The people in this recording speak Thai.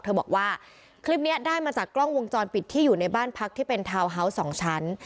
บอกว่าคลิปนี้ได้มาจากกล้องวงจรปิดที่อยู่ในบ้านพักที่เป็นทาวน์ฮาวส์๒ชั้น